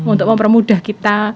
untuk mempermudah kita